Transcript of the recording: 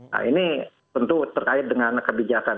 nah ini tentu terkait dengan kebijakan